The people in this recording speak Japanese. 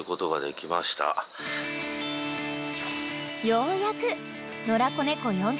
［ようやく］